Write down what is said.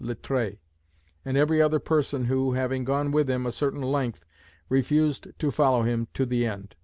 Littré, and every other person who, having gone with him a certain length, refused to follow him to the end.